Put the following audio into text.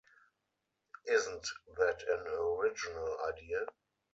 Isn't that an original idea?